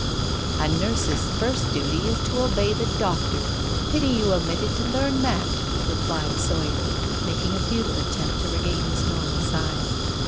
" A nurse's first duty is to obey the doctor. Pity you omitted to learn that," replied Sawyer, making a futile attempt to regain his normal size.